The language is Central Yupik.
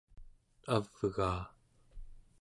avgaa